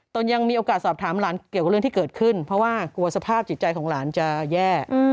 ยังมีโอกาสสอบถามหลานเกี่ยวกับเรื่องที่เกิดขึ้นเพราะว่ากลัวสภาพจิตใจของหลานจะแย่